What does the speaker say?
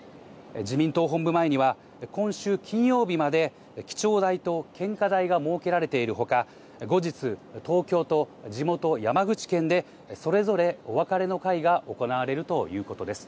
自民党本部前には今週金曜日まで記帳台と献花台が設けられているほか、後日、東京と地元・山口県でそれぞれお別れの会が行われるということです。